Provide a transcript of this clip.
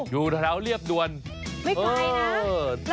อยู่ทะเลาเรียบด่วนไม่ไกลนะ